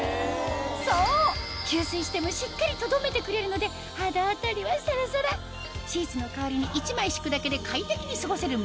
そう吸水してもしっかりとどめてくれるので肌当たりはサラサラシーツの代わりに１枚敷くだけで快適に過ごせる